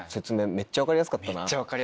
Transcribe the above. めっちゃ分かりやすかった。